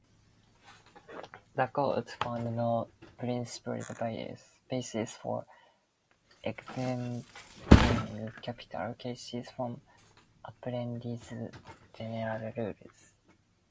The Court found no principled basis for exempting capital cases from "Apprendi"'s general rule.